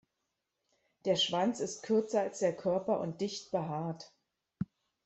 Der Schwanz ist kürzer als der Körper und dicht behaart.